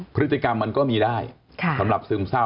พฤติกรรมมันก็มีได้สำหรับซึมเศร้า